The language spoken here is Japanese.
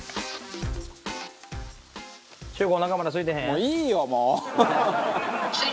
「もういいよもう！」